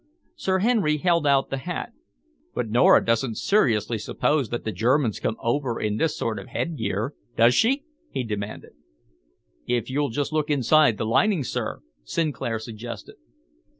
Sir Henry held out the hat. "But Nora doesn't seriously suppose that the Germans come over in this sort of headgear, does she?" he demanded. "If you'll just look inside the lining, sir," Sinclair suggested.